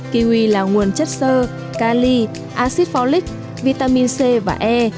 kiwi là nguồn chất sơ cali acid folic vitamin c và e